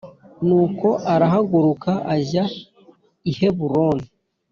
Nuko arahaguruka ajya i Heburoni.